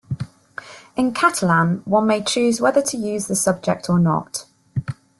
In Catalan, one may choose whether to use the subject or not.